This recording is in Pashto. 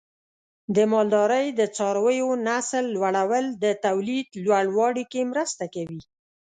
د مالدارۍ د څارویو نسل لوړول د تولید لوړوالي کې مرسته کوي.